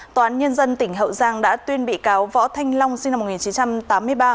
tòa án nhân dân tỉnh hậu giang đã tuyên bị cáo võ thanh long sinh năm một nghìn chín trăm tám mươi ba